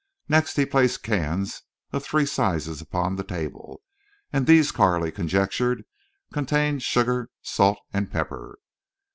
Next he placed cans of three sizes upon the table; and these Carley conjectured contained sugar, salt, and pepper.